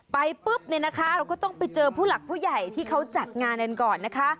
ปุ๊บเนี่ยนะคะเราก็ต้องไปเจอผู้หลักผู้ใหญ่ที่เขาจัดงานกันก่อนนะคะ